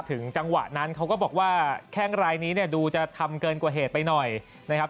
จังหวะนั้นเขาก็บอกว่าแข้งรายนี้เนี่ยดูจะทำเกินกว่าเหตุไปหน่อยนะครับ